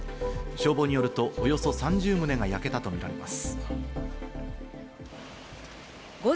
消防によると、およそ３０棟が焼けたとみられます。